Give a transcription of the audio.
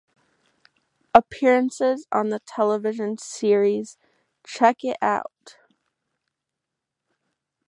Appearances on the television series Check it Out!